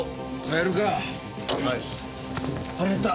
腹減った。